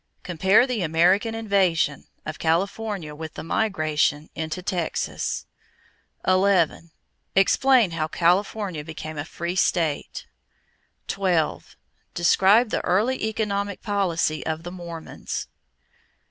Compare the American "invasion" of California with the migration into Texas. 11. Explain how California became a free state. 12. Describe the early economic policy of the Mormons.